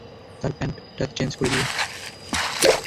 তার প্যান্টটা চেইঞ্জ করে দিও।